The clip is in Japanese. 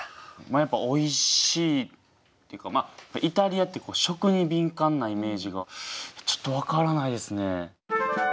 まあやっぱおいしいっていうかまあイタリアって食に敏感なイメージがちょっとわからないですね。